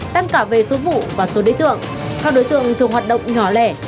tăng cả về số vụ và số đối tượng các đối tượng thường hoạt động nhỏ lẻ